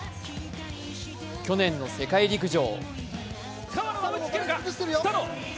去年の世界陸上。